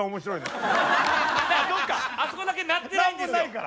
あそこだけ鳴ってないんですよ。